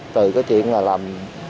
từ cái chuyện là làm